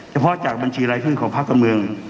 เฉพาะจากบัญชีรายชื่อของภาคการเมือง